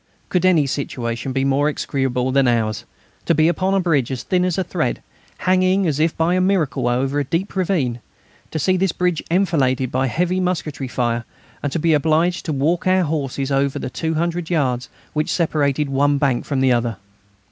Could any situation be more execrable than ours to be upon a bridge as thin as a thread, hanging as by a miracle over a deep river, to see this bridge enfiladed by heavy musketry fire and to be obliged to walk our horses over the 200 yards which separated one bank from the other?